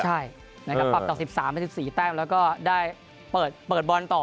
ใช่ปรับต่อ๑๓๑๔แสงและก็เปิดบอลต่อ